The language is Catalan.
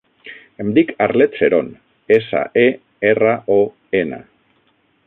Em dic Arlet Seron: essa, e, erra, o, ena.